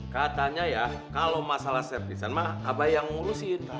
katanya ya kalau masalah servisan mbah apa yang ngurusin